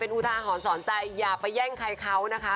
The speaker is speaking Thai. อุทาหรณ์สอนใจอย่าไปแย่งใครเขานะคะ